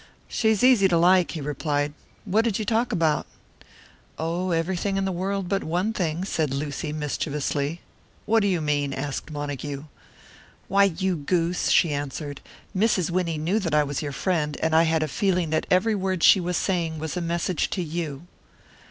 "She is easy to like," he replied. "What did you talk about?" "Oh, everything in the world but one thing," said Lucy, mischievously. "What do you mean?" asked Montague. "You, you goose," she answered. "Mrs. Winnie knew that I was your friend, and I had a feeling that every word she was saying was a message to you."